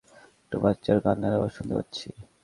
একটা বাচ্চার কান্নার আওয়াজ শুনতে পাচ্ছি।